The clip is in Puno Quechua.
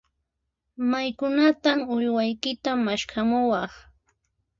Maykunantan uywaykita maskhamuwaq?